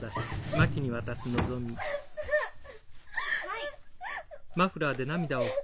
はい。